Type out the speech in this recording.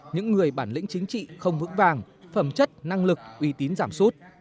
những người bản lĩnh chính trị không vững vàng phẩm chất năng lực uy tín giảm sút